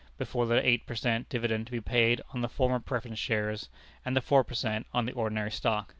before the eight per cent. dividend to be paid on the former preference shares, and the four per cent. on the ordinary stock.